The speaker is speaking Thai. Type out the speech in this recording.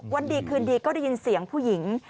วันดีคืนดีก็ได้ยินเสียงผู้หญิง